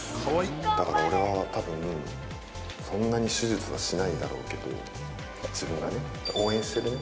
だから俺はたぶん、そんなに手術はしないだろうけど、自分がね、応援してるね。